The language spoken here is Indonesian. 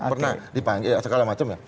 pernah dipanggil segala macam